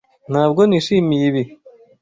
Ntabwo nishimiye ibi.